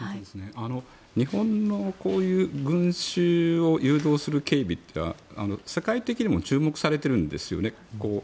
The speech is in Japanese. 日本のこういう群衆を誘導する警備というのは世界的にも注目されているんですよね。